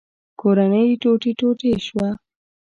کورنۍ ټوټې ټوټې شوه.